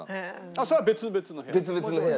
それは別々の部屋？